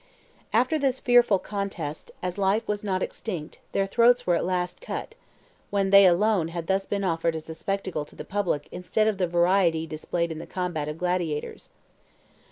"After this fearful contest, as life was not extinct, their throats were at last cut, when they alone had thus been offered as a spectacle to the public instead of the variety displayed in the combat of gladiators.